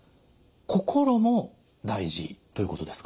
心も大事ということですか。